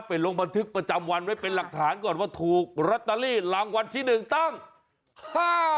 ลงบันทึกประจำวันไว้เป็นหลักฐานก่อนว่าถูกลอตเตอรี่รางวัลที่หนึ่งตั้ง